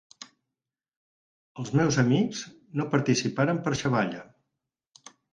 Els meus amics no participaran per xavalla.